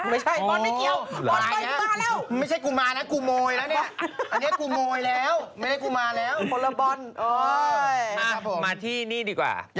ไม่ใช่บอลไม่เกี่ยว